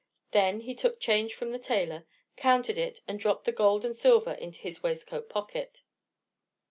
Then he took his change from the tailor, counted it, and dropped the gold and silver into his waistcoat pocket.